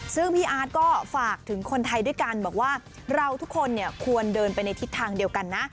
ซึ่งพี่อาร์ตก็ฝากถึงคนไทยด้วยกันบอกว่าเราทุกคนเนี่ยควรเดินไปในทิศทางเดียวกันนะ